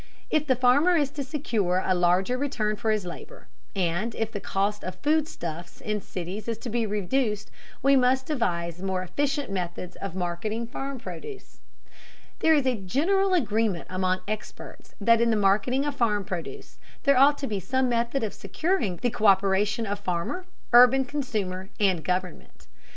If the farmer is to secure a larger return for his labor, and if the cost of foodstuffs in cities is to be reduced, we must devise more efficient methods of marketing farm produce. There is a general agreement among experts that in the marketing of farm produce there ought to be some method of securing the co÷peration of farmer, urban consumer, and government.